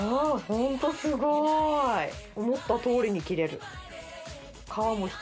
ホントすごい思ったとおりに切れる